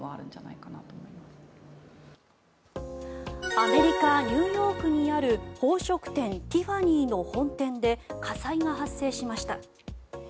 アメリカニューヨークにある宝飾店ティファニーの本店で火災が発生しました。